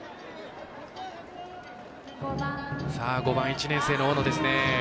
５番、１年生の大野ですね。